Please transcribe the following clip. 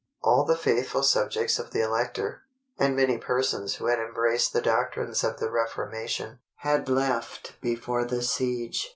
All the faithful subjects of the Elector, and many persons who had embraced the doctrines of the Reformation, had left before the siege.